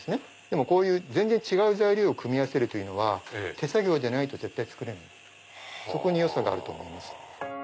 でも全然違う材料を組み合わせるというのは手作業でないと絶対作れないそこによさがあると思います。